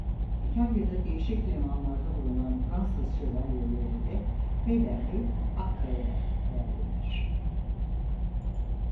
İtalya'da değişik limanlarda bulunan Fransız şövalyeleri de peyderpey Akka'ya geldiler.